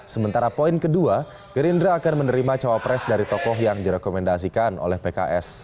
sementara poin kedua gerindra akan menerima cawapres dari tokoh yang direkomendasikan oleh pks